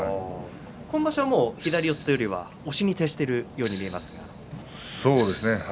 今場所は押しに徹しているように見えますが。